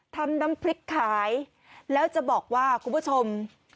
ทำน้ำพริกขายแล้วจะบอกว่าคุณผู้ชม